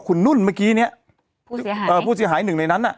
คุณนุ่นเมื่อกี้เนี้ยผู้เสียหายอ๋อผู้เสียหายหนึ่งในนั้นอ่ะ